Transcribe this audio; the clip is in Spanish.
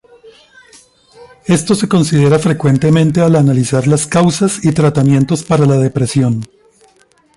Esto se considera frecuentemente al analizar las causas y tratamientos para la depresión.